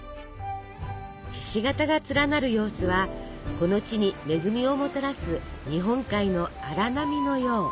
ひし形が連なる様子はこの地に恵みをもたらす日本海の荒波のよう。